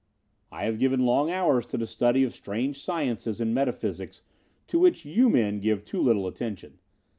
I have given long hours to the study of strange sciences in meta physics, to which you men give too little attention.